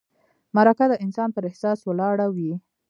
مرکه د انسان پر احساس ولاړه وي.